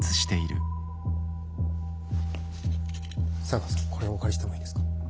茶川さんこれをお借りしてもいいですか？